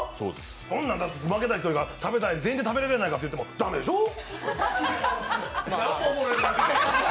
そんなん、負けた人が食べたら全員が食べれるじゃないかっていっても駄目でしょう。